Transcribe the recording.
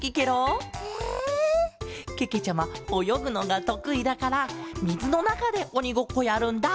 ちゃまおよぐのがとくいだからみずのなかでおにごっこやるんだ。